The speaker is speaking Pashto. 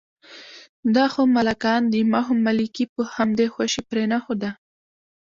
دا خو ملکان دي، ما خو ملکي په همدې خوشې پرېنښوده.